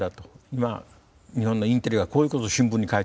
今日本のインテリはこういうことを新聞に書いてる。